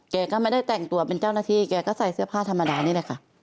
แกก็ไม่ได้แต่งตัวเป็นเจ้าหน้าที่แกก็ใส่เสื้อผ้าธรรมดานี่แหละค่ะ